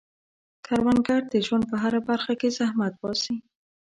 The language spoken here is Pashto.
کروندګر د ژوند په هره برخه کې زحمت باسي